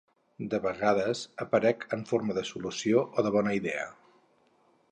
De vegades aparec en forma de solució o de bona idea.